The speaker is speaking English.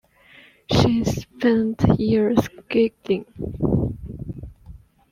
She's spent years gigging.